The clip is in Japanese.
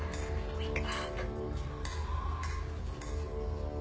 いいか？